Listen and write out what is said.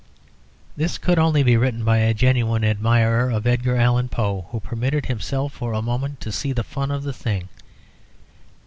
This could only be written by a genuine admirer of Edgar Allan Poe, who permitted himself for a moment to see the fun of the thing.